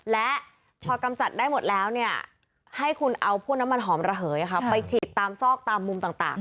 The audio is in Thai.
และพอกำจัดได้หมดแล้วให้คุณเอาพวกน้ำมันหอมระเหยไปฉีดตามซอกตามมุมต่าง